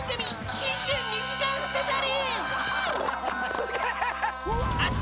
新春２時間スペシャル。